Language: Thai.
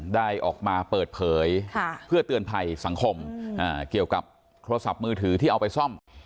ได้ออกมาเปิดเผยเพื่อเตือนภัยสังคมเกี่ยวกับโทรศัพท์มือถือที่เอาไปซ่อม